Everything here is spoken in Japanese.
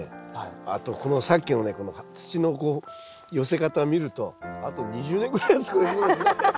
あとさっきのねこの土の寄せ方を見るとあと２０年ぐらいは作れそうですね。